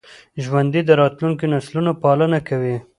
ژوندي د راتلونکو نسلونو پالنه کوي